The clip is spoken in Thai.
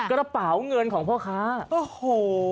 กระเป๋าเงินของพ่อค้าโอ้โห